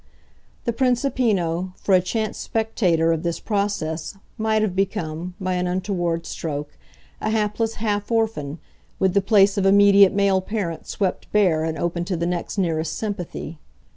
The Principino, for a chance spectator of this process, might have become, by an untoward stroke, a hapless half orphan, with the place of immediate male parent swept bare and open to the next nearest sympathy.